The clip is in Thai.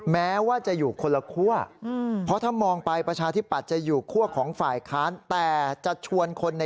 แม้ว่าจะอยู่คนละครั่ว